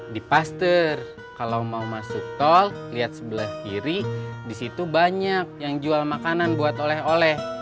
di paster kalau mau masuk tol lihat sebelah kiri disitu banyak yang jual makanan buat oleh oleh